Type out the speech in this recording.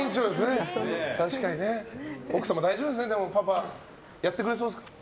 奥様、大丈夫ですねパパやってくれそうですか？